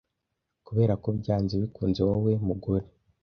kubera ko byanze bikunze wowe mugore